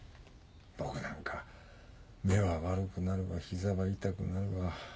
僕なんか目は悪くなるわ膝は痛くなるわ。